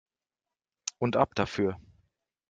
Und ab dafür!